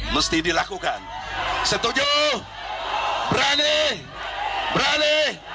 setuju berani berani